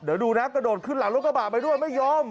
เดี๋ยวดูนะกระโดดขึ้นหลังรถกระบะไปด้วยไม่ยอม